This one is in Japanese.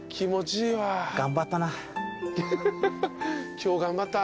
今日頑張った。